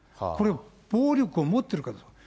これ、暴力を持ってるか。